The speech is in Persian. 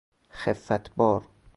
خفت بار